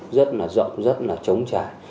rất là rộng rất là chống trái